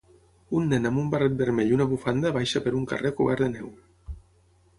Un nen amb un barret vermell i una bufanda baixa per un carrer cobert de neu